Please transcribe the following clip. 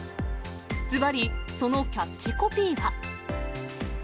ずばりそのキャッチコピーは。